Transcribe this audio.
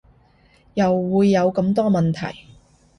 又會有咁多問題